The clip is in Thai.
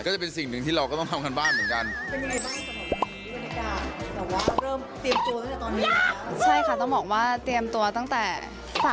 ก็ได้เป็นครั้งแรกที่มาร่วมงานกับทางไทยรัฐด้วยนะฮะ